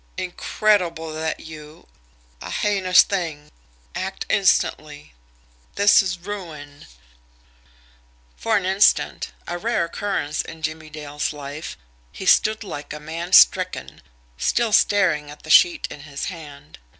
" incredible that you a heinous thing act instantly this is ruin " For an instant a rare occurrence in Jimmie Dale's life he stood like a man stricken, still staring at the sheet in his hand.